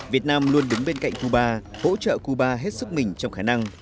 việt nam luôn đứng bên cạnh cuba hỗ trợ cuba hết sức mình trong khả năng